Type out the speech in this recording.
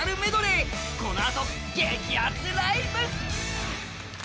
このあと、激アツライブ！